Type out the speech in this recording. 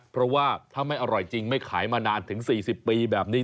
เพราะว่าถ้าไม่อร่อยจริงไม่ขายมานานถึง๔๐ปีแบบนี้